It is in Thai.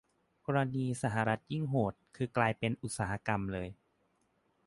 กรณีสหรัฐยิ่งโหด คือกลายเป็นอุตสาหกรรมเลย